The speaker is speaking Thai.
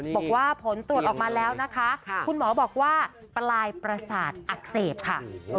บอกว่าผลตรวจออกมาแล้วนะคะคุณหมอบอกว่าปลายประสาทอักเสบค่ะ